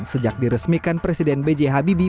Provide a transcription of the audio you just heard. sejak diresmikan presiden b j habibie